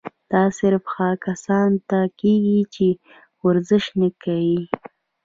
دا صرف هغه کسانو ته کيږي چې ورزش نۀ کوي